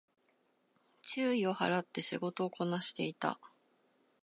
注意を払って仕事をこなしていた